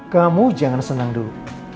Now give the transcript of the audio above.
kamu jangan seneng dulu